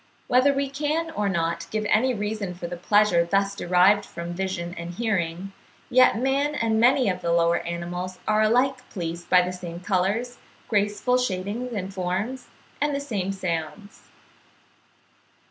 Whether we can or not give any reason for the pleasure thus derived from vision and hearing, yet man and many of the lower animals are alike pleased by the same colours, graceful shading and forms, and the same sounds.